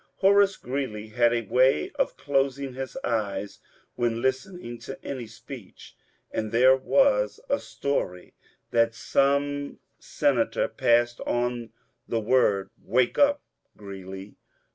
Horace Greeley had a way of closing his eyes when listening to any speech, and there was a story that WAKE UP GREELEY 236 some senator passed on the word ^^ Wake up» Greeley